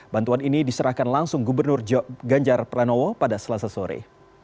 bantuan ini diserahkan langsung gubernur ganjar pranowo pada selasa sore